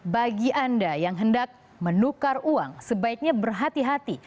bagi anda yang hendak menukar uang sebaiknya berhati hati